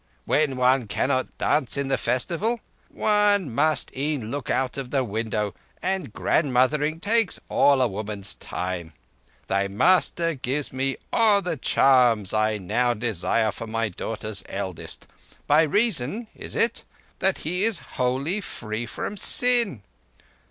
When one cannot dance in the festival one must e'en look out of the window, and grandmothering takes all a woman's time. Thy master gives me all the charms I now desire for my daughter's eldest, by reason—is it?—that he is wholly free from sin.